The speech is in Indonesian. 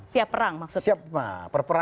siap perang maksudnya